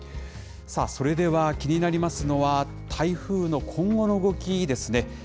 それでは、気になりますのは、台風の今後の動きですね。